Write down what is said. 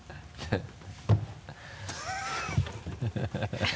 ハハハ